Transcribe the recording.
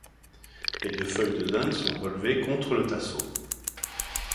Les deux feuilles de zinc sont relevées contre le tasseau.